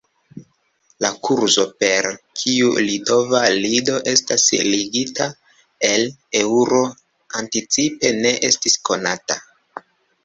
La kurzo per kiu litova lido estos ligita al eŭro anticipe ne estis konata.